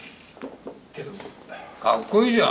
かっこいいじゃん。